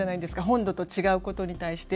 本土と違うことに対して。